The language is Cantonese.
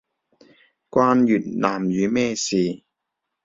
關越南語咩事